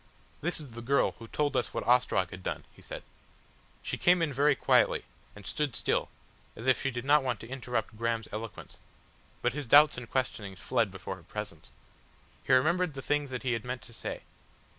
"This is the girl who told us what Ostrog had done," he said. She came in very quietly, and stood still, as if she did not want to interrupt Graham's eloquence.... But his doubts and questionings fled before her presence. He remembered the things that he had meant to say.